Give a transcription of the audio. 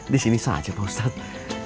disini saja pak ustadz